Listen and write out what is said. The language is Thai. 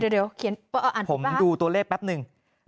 เดี๋ยวเขียนผมดูตัวเลขแป๊บหนึ่ง